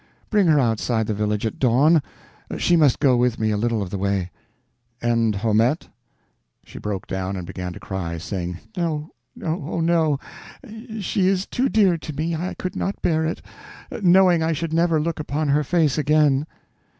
Bring her outside the village at dawn; she must go with me a little of the way—" "And Haumette?" She broke down and began to cry, saying: "No, oh, no—she is too dear to me, I could not bear it, knowing I should never look upon her face again."